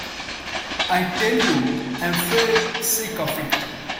I tell you I’m fair sick of it.